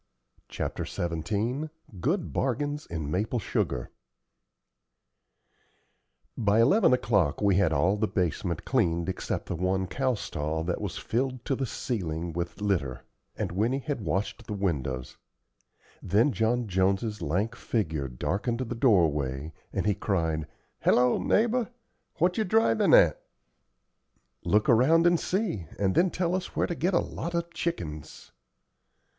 CHAPTER XVII GOOD BARGAINS IN MAPLE SUGAR By eleven o'clock we had all the basement cleaned except the one cow stall that was filled to the ceiling with litter; and Winnie had washed the windows. Then John Jones's lank figure darkened the doorway, and he cried, "Hello, neighbor, what ye drivin' at?" "Look around and see, and then tell us where to get a lot of chickens."